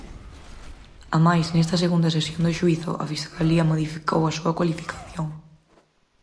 Amais, nesta segunda sesión do xuízo, a fiscalía modificou a súa cualificación.